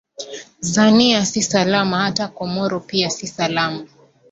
zania si salama hata comoro pia si salama